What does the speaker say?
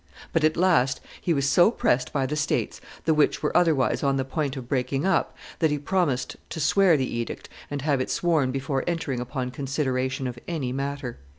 But, at last, he was so pressed by the states, the which were otherwise on the point of breaking up, that he promised to swear the edict and have it sworn before entering upon consideration of any matter."